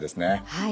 はい。